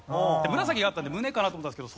紫があったんで胸かなと思ったんですけど